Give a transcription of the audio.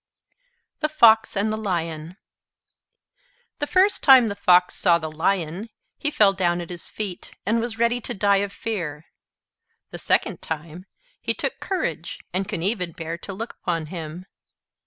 H.J. Peck THE FOX AND THE LION The first time the Fox saw the Lion, he fell down at his feet, and was ready to die of fear. The second time, he took courage and could even bear to look upon him.